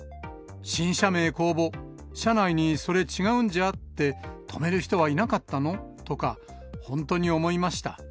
新社名公募、社内に、それ違うんじゃ？って止める人はいなかったの？とかほんとに思いました。